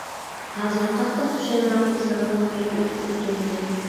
ھازىر قاتتىق پۇشايمان قىلساممۇ پەيت ئۆتۈپ كەتكەنىدى.